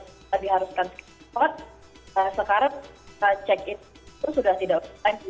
kita diharuskan sekitar sekarang check in itu sudah tidak